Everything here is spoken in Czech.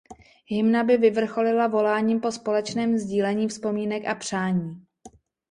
Hymna by vyvrcholila voláním po společném sdílení vzpomínek a přání.